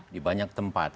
di banyak tempat